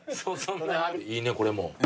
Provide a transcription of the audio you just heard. いいねこれも。